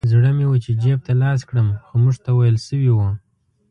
زړه مې و چې جیب ته لاس کړم خو موږ ته ویل شوي وو.